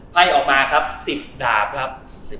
ไพ่ออกมาครับ๑๐ดาบครับ